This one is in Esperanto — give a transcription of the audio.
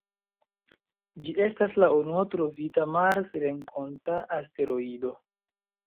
Ĝi estas la unua trovita marsrenkonta asteroido.